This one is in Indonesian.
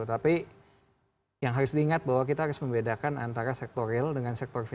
tapi yang harus diingat bahwa kita harus membedakan antara sektor real dengan sektor